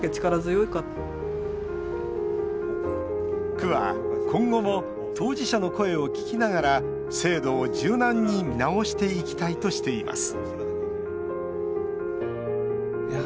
区は今後も当事者の声を聞きながら制度を柔軟に見直していきたいとしています